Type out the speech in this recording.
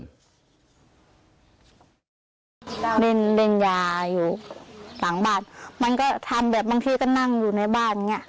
เล่นเล่นยาอยู่หลังบ้านมันก็ทำแบบบางทีก็นั่งอยู่ในบ้านอย่างเงี้